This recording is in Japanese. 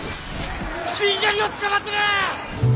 しんがりをつかまつる！